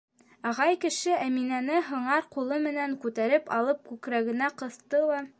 Ағай кеше Әминәне һыңар ҡулы менән күтәреп алып күкрәгенә ҡыҫты ла: